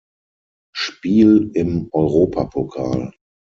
Spiel im Europapokal.